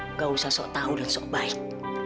enggak usah sok tahu dan sok baik